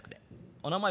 お名前は？